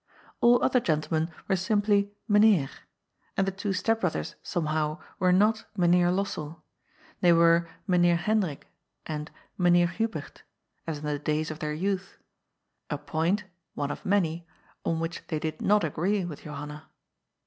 All other gentlemen were simply " Meneer," and the two step brothers, somehow, were not " Meneer Lossell." They were " Meneer Hendrik," and " Meneer Hubert," as in the days of their youth — a point, one of many, on which they did not agree with Johanna.